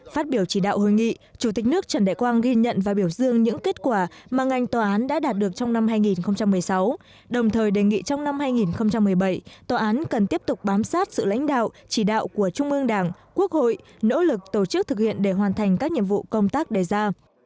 phát biểu chỉ đạo hội nghị chủ tịch nước trần đại quang ghi nhận và biểu dương những kết quả mà ngành tòa án đã đạt được trong năm hai nghìn một mươi sáu đồng thời đề nghị trong năm hai nghìn một mươi bảy tòa án cần tiếp tục bám sát sự lãnh đạo chỉ đạo của trung ương đảng quốc hội nỗ lực tổ chức thực hiện để hoàn thành các nhiệm vụ công tác đề ra